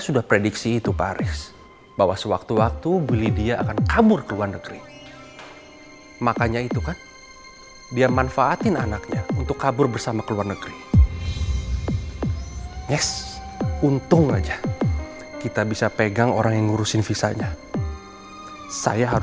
sampai jumpa di video selanjutnya